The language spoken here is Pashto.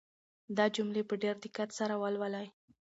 دا جملې په ډېر دقت سره ولولئ.